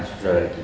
silahkan sudah lagi